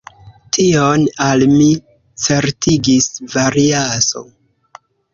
Tion al mi certigis Variaso.